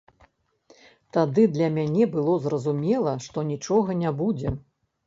Тады для мяне было зразумела, што нічога не будзе.